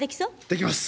できます！